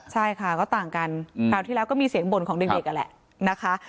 ใช่ค่ะก็ต่างกันคราวที่แล้วก็มีเสียงบ่นของเด็กนั่นแหละนะคะ